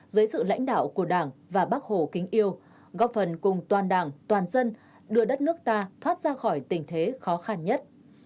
dưới sự lãnh đạo của đảng và bác hồ kính yêu góp phần cùng toàn đảng toàn dân đưa đất nước ta thoát ra khỏi tình thế khó khăn nhất